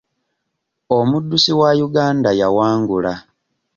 Omuddusi wa Uganda yawangula.